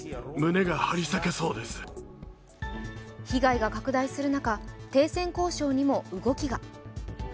被害が拡大する中停戦交渉にも動きが。